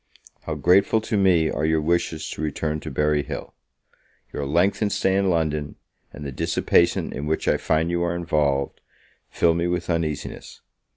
How grateful to me are your wishes to return to Berry Hill! Your lengthened stay in London, and the dissipation in which I find you are involved, fill me with uneasiness.